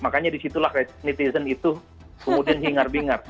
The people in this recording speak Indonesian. makanya disitulah netizen itu kemudian hingar bingar